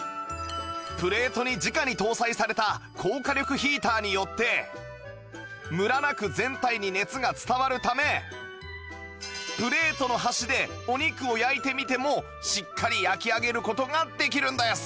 プレートに直に搭載された高火力ヒーターによってムラなく全体に熱が伝わるためプレートの端でお肉を焼いてみてもしっかり焼きあげる事ができるんです